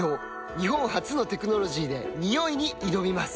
日本初のテクノロジーでニオイに挑みます